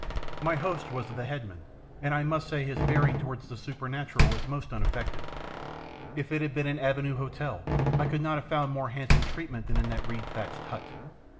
My host was the headman, and I must say his bearing towards the supernatural was most unaffected. If it had been an Avenue hotel I could not have found more handsome treatment than in that reed thatched hut.